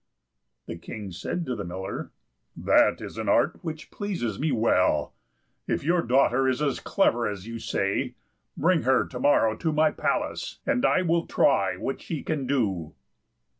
The King said to the miller, "That is an art which pleases me well; if your daughter is as clever as you say, bring her to morrow to my palace, and I will try what she can do."